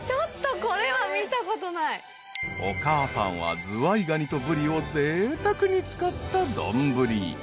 ［お母さんはズワイガニとブリをぜいたくに使った丼］